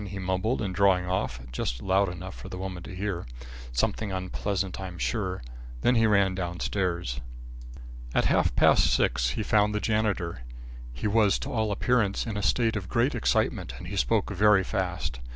he mumbled in drawing off, just loud enough for the woman to hear. "Something unpleasant I'm sure." Then he ran downstairs. At half past six he found the janitor. He was, to all appearance, in a state of great excitement and he spoke very fast.